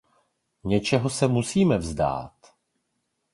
Něčeho se musíme vzdát.